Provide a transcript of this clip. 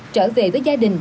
trở về với gia đình